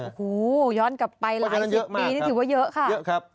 โอ้โฮย้อนกลับไปหลายสิบปีนี่ถือว่าเยอะค่ะ